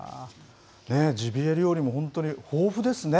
ジビエ料理も本当に豊富ですね。